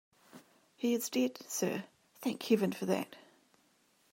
'He is dead, sir.' 'Thank heaven for that.'